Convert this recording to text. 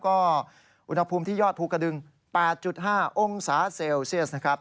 ก็อุณหภูมิที่ยอดภูกระดึง๘๕องศาเซลเซียสนะครับ